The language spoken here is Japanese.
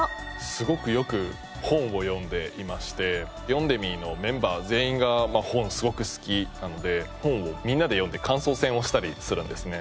すごくよく本を読んでいましてＹｏｎｄｅｍｙのメンバー全員が本すごく好きなので本をみんなで読んで感想戦をしたりするんですね。